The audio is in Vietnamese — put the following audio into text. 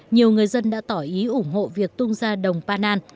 nhiều người dân đã tỏ ý ủng hộ việc tung ra đồng pana